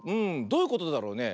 どういうことだろうね。